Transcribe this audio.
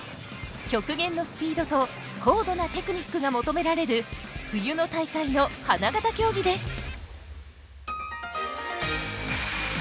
極限のスピードと高度なテクニックが求められる冬の大会の花形競技です。